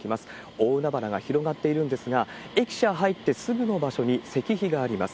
大海原が広がっているんですが、駅舎入ってすぐの場所に石碑があります。